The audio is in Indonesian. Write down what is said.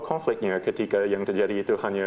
konfliknya ketika yang terjadi itu hanya